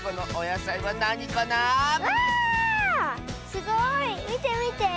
すごい。みてみて。